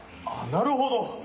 あっなるほど。